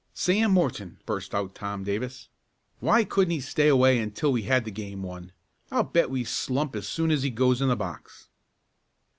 "Sam Morton!" burst out Tom Davis. "Why couldn't he stay away until we had the game won? I'll bet we slump as soon as he goes in the box."